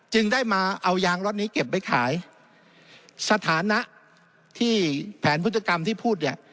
จึงได้มาเอายางล็อตนี้เก็บไว้ขายสถานะที่แผนพฤติกรรมที่พูดเนี่ย